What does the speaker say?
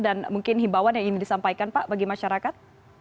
dan mungkin himbawan yang ingin disampaikan pak bagi masyarakat